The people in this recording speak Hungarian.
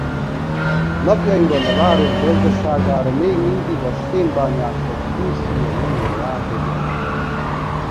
Napjainkban a város gazdaságára még mindig a szénbányászat túlsúlya nyomja rá bélyegét.